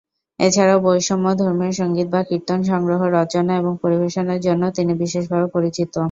এছাড়াও বৈষ্ণব ধর্মীয় সঙ্গীত বা কীর্তন সংগ্রহ, রচনা এবং পরিবেশনের জন্যও তিনি বিশেষভাবে পরিচিত।